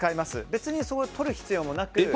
別にそこをとる必要もなく。